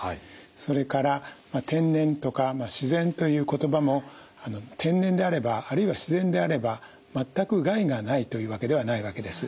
それから「天然」とか「自然」という言葉も天然であればあるいは自然であれば全く害がないというわけではないわけです。